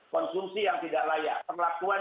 konsumsi yang tidak layak perlakuan